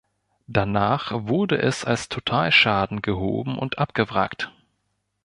Danach wurde es als Totalschaden gehoben und abgewrackt.